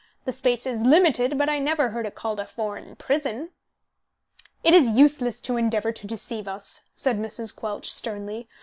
The space is limited, but I never heard it called a foreign prison." "It is useless to endeavour to deceive us," said Mrs. Quelch, sternly.